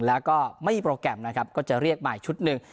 แล้วก็ไม่มีโปรแกรมก็จะเรียกใหม่ชุดหนึ่ง